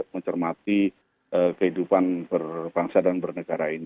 mencermati kehidupan berbangsa dan bernegara ini